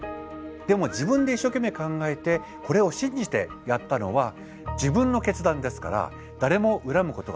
でも自分で一生懸命考えてこれを信じてやったのは自分の決断ですから誰も恨むことができません。